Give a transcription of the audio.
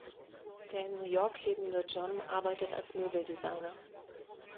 Der in New York lebende John arbeitet als Möbel-Designer.